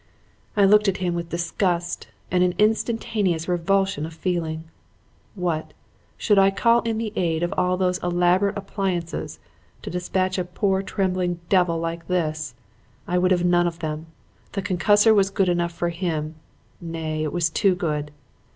"I looked at him with disgust and an instantaneous revulsion of feeling. What! Should I call in the aid of all those elaborate appliances to dispatch a poor trembling devil like this? I would have none of them. The concussor was good enough for him. Nay, it was too good.